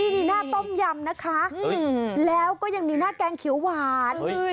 นี่หน้าต้มยำนะคะแล้วก็ยังมีหน้าแกงเขียวหวาน